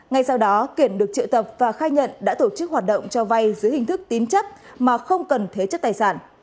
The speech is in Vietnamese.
ngay sau đó kiển được triệu tập và khai nhận đã tổ chức hoạt động cho vay dưới hình thức tín chấp mà không cần thế chất tài sản